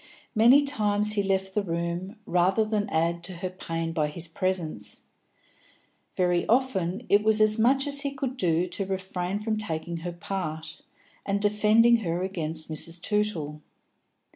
Many times he left the room, rather than add to her pain by his presence; very often it was as much as he could do to refrain from taking her part, and defending her against Mrs. Tootle.